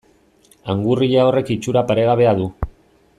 Angurria horrek itxura paregabea du.